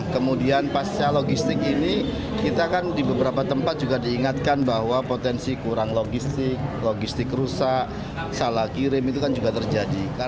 kemudian pasca logistik ini kita kan di beberapa tempat juga diingatkan bahwa potensi kurang logistik logistik rusak salah kirim itu kan juga terjadi